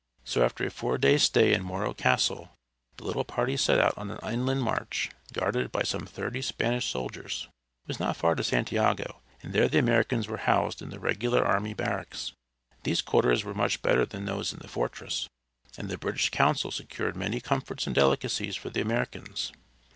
So after a four days' stay in Morro Castle the little party set out on an inland march, guarded by some thirty Spanish soldiers. It was not far to Santiago, and there the Americans were housed in the regular army barracks. These quarters were much better than those in the fortress, and the British Consul secured many comforts and delicacies for the Americans.